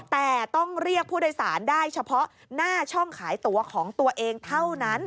แต่ต้องเรียกผู้โดยสารได้เฉพาะหน้าช่องขายตัวของตัวเองเท่านั้น